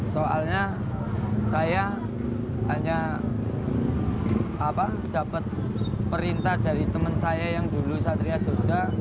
soalnya saya hanya dapat perintah dari teman saya yang dulu satria jogja